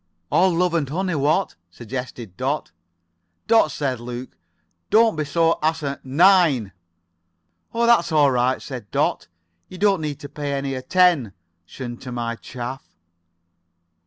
"All love and honey, what?" suggested Dot. "Dot," said Luke, "don't be asi— 9." "Oh, that's all right," said Dot "You don't need to pay any at— 10 tion to my chaff."